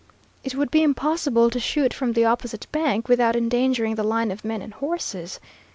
It would be impossible to shoot from the opposite bank without endangering the line of men and horses.